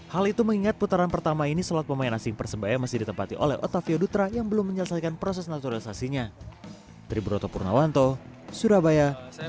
hal itu mengingat putaran pertama ini slot pemain asing persebaya masih ditempati oleh otavio dutra yang belum menyelesaikan proses naturalisasinya